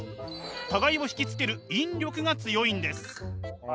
互いを引きつける引力が強いんです。